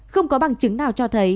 không có bằng chứng nào cho thấy